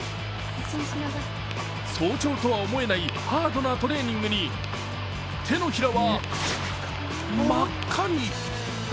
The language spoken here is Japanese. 早朝とは思えないハードなトレーニングに手のひらは真っ赤に。